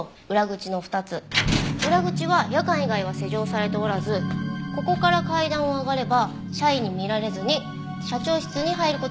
裏口は夜間以外は施錠されておらずここから階段を上がれば社員に見られずに社長室に入る事が可能です。